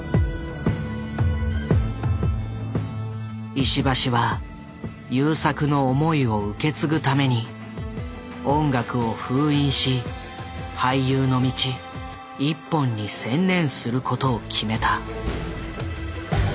石橋は優作の思いを受け継ぐために音楽を封印し俳優の道一本に専念することを決めた。